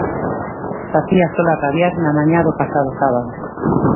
Facía sol a rabiar na mañá do pasado sábado.